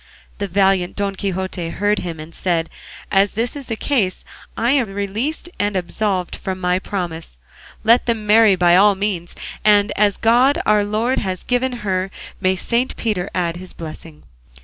The valiant Don Quixote heard him, and said, "As that is the case I am released and absolved from my promise; let them marry by all means, and as 'God our Lord has given her, may Saint Peter add his blessing.